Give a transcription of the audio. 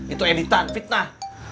itu editan fitnah